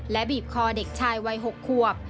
และบีบคอเด็กชายวัย๖ควบ